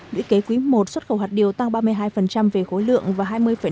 đựy kế quý i xuất khẩu hạt điều tăng ba mươi hai về khối lượng và hai mươi năm